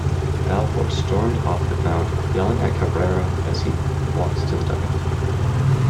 Balfour stormed off the mound, yelling at Cabrera as he walked to the dugout.